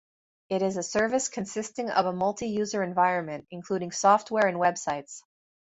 It is a service consisting of a multi-user environment, including software and websites.